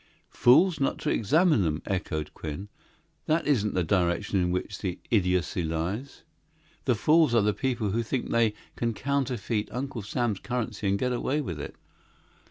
"Fools not to examine them!" echoed Quinn. "That isn't the direction in which the idiocy lies. The fools are the people who think they can counterfeit Uncle Sam's currency and get away with it.